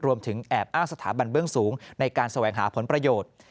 รวมถึงแอบอ้างสถาบันเบื้องสูงในการแสวงหาผลประโยชน์